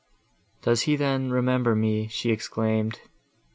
"Does he then remember me?" she exclaimed.